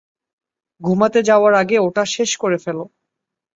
ঘুমাতে যাওয়ার আগে ওটা শেষ করে ফেলো।